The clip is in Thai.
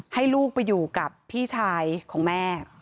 ให้ลูกไปอยู่กับพี่ชายของแม่